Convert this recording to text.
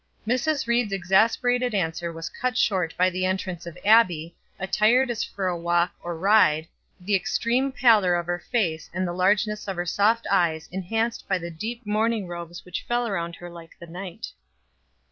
Mrs. Ried's exasperated answer was cut short by the entrance of Abbie, attired as for a walk or ride, the extreme pallor of her face and the largeness of her soft eyes enhanced by the deep mourning robes which fell around her like the night.